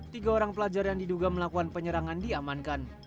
tiga orang pelajar yang diduga melakukan penyerangan diamankan